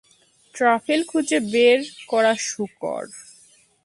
Truffle খুঁজে বের করা শূকর।